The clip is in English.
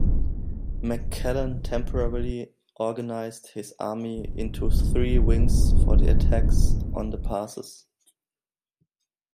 McClellan temporarily organized his army into three wings for the attacks on the passes.